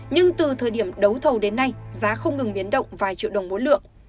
nhưng từ thời điểm đấu thầu đến nay giá không ngừng biến động vài triệu đồng mỗi lượng